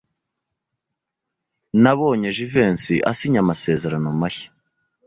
Nabonye Jivency asinya amasezerano mashya.